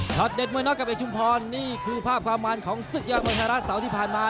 ช็อตเด็ดมวยน็อกกับเอกชุมพรนี่คือภาพความวานของสึกย่อมรถหาราชเสาร์ที่ผ่านมา